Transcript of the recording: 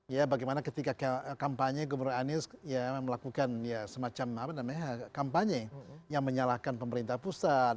ya bagaimana ketika kampanye gubernur anies melakukan semacam kampanye yang menyalahkan pemerintah pusat